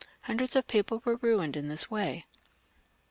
Hundreds of people were ruined in this way.